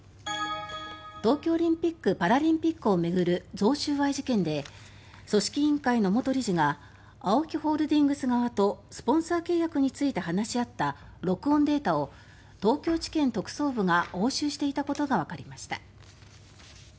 東京オリンピック・パラリンピックを巡る贈収賄事件で組織委員会の元理事がＡＯＫＩホールディングス側とスポンサー契約について話し合った録音データを東京地検特捜部が押収していたことがわかりました。